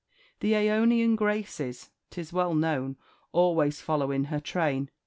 The Aonian graces, 'tis well known, always follow in her train."